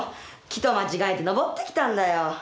木と間違えて上ってきたんだよ。